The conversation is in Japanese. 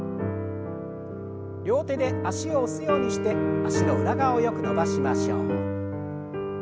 両手で脚を押すようにして脚の裏側をよく伸ばしましょう。